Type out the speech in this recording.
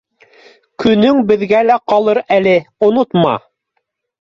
Көнөң беҙгә лә ҡалыр әле, онотма